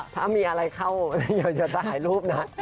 ถ้ามีอะไรเข้าอยากจะถ่ายรูปนะ